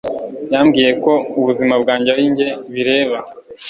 yambwiye ko ubuzima bwanjye ari njye bireba